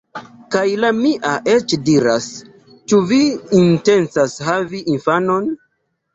Kaj la mia eĉ diras "Ĉu vi intencas havi infanon?"